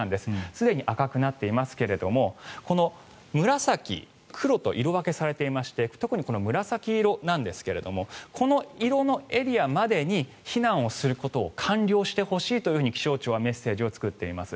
すでに赤くなっていますがこの紫、黒と色分けされていまして特にこの紫色なんですがこの色のエリアまでに避難をすることを完了してほしいというふうに気象庁はメッセージを作っています。